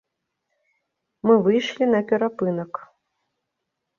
Мы выйшлі на перапынак.